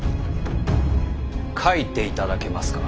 書いていただけますか。